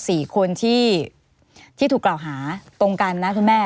ทั้งหมด๔คนที่ถูกกล่าวหาตรงกันนะคุณแม่